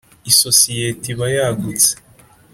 Isosiyete iba yagutse.